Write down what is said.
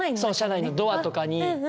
そう車内のドアとかに。